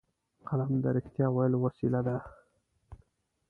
قلم د رښتیا ویلو وسیله ده